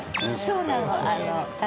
そうなの。